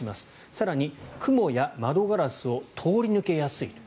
更に、雲や窓ガラスを通り抜けやすいと。